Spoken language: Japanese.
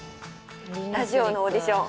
ラジオのオーディション